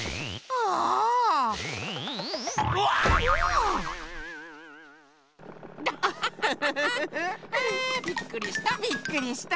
おお！びっくりした。